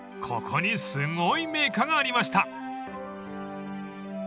［ここにすごい銘菓がありました］